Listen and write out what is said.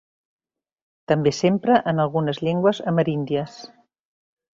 També s'empra en algunes llengües ameríndies.